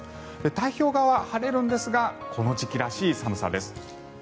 太平洋側は晴れるんですがこの時期らしい寒さです。